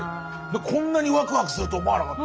こんなにわくわくすると思わなかった。